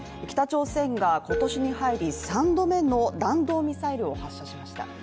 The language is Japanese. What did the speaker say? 北朝鮮が今年に入り３度目の弾道ミサイルを発射しました。